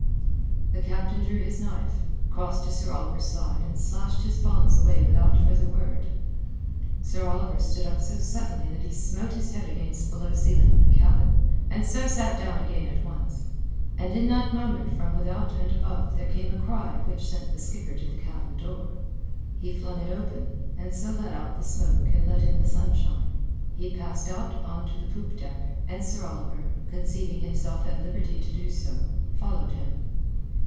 The captain drew his knife, crossed to Sir Oliver's side and slashed his bonds away without further word. Sir Oliver stood up so suddenly that he smote his head against the low ceiling of the cabin, and so sat down again at once. And in that moment from without and above there came a cry which sent the skipper to the cabin door. He flung it open, and so let out the smoke and let in the sunshine. He passed out on to the poop deck, and Sir Oliver—conceiving himself at liberty to do so—followed him.